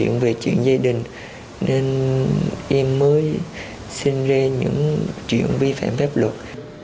nên em mới sinh ra những chuyện vi phạm phép luật